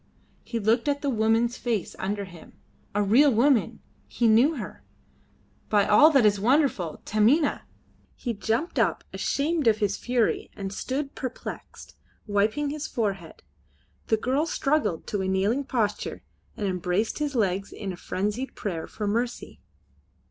He looked at the woman's face under him. A real woman! He knew her. By all that is wonderful! Taminah! He jumped up ashamed of his fury and stood perplexed, wiping his forehead. The girl struggled to a kneeling posture and embraced his legs in a frenzied prayer for mercy.